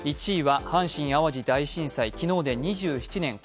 １位は阪神・淡路大震災、昨日で２７年。